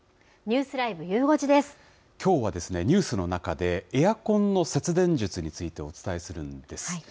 きょうはニュースの中で、エアコンの節電術についてお伝えするんです。